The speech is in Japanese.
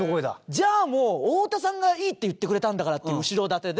じゃあもう太田さんがいいって言ってくれたんだからっていう後ろ盾で。